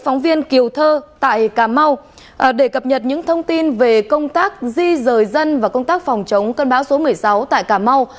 phóng viên kiều thơ tại cà mau để cập nhật những thông tin về công tác di rời dân và công tác phòng chống cơn bão số một mươi sáu tại cà mau